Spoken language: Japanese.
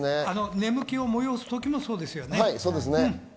眠気を催す時もそうですよね。